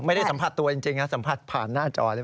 ไม่ได้สัมผัสตัวจริงนะสัมผัสผ่านหน้าจอเลย